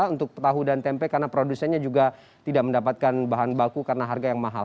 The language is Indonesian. untuk tahu dan tempe karena produsennya juga tidak mendapatkan bahan baku karena harga yang mahal